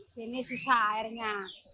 sini susah airnya